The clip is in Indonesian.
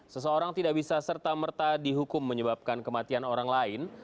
seseorang tidak bisa serta merta dihukum menyebabkan kematian orang lain